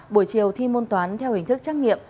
buổi chiều thi môn toán theo hình thức trắc nghiệm